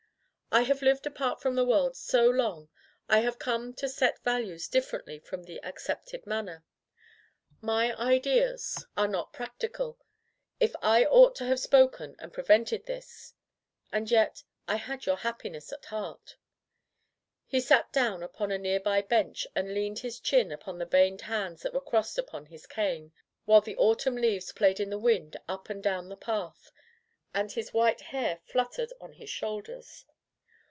" I have lived apart from the world so long, I have come to set values differently from the accepted manner. My ideas are not prac [ 193 ] Digitized by LjOOQ IC Interventions tical. If I ought to have spoken and pre vented this — And yet, I had your happiness at heart." He sat down upon a nearby bench and leaned his chin upon the veined hands that were crossed upon his cane, while the au tumn leaves played in the wind up and down the path, and his white hair fluttered on his shoulders.